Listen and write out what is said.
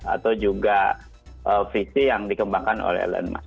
atau juga visi yang dikembangkan oleh elon musk